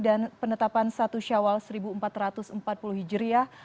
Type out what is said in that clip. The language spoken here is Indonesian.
penetapan satu syawal seribu empat ratus empat puluh hijriah